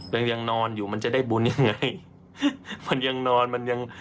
มันยังนอนอยู่มันจะได้บุญยังไง